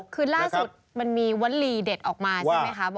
คือล่าสุดมันมีวัตหลีเดทออกมาด้วยอ่ะครับ